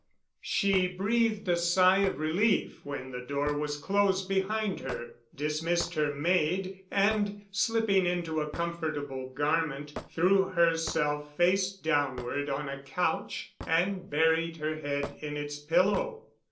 She breathed a sigh of relief when the door was closed behind her, dismissed her maid, and, slipping into a comfortable garment, threw herself face downward on a couch and buried her head in its pillow.